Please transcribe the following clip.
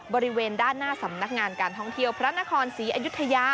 บริเวณด้านหน้าสำนักงานการท่องเที่ยวพระนครศรีอยุธยา